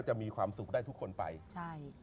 จะมีความสุขได้ทุกคนไปใช่